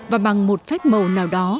và bằng một phép màu nào đó